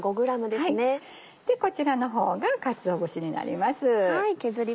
でこちらの方がかつお節になります。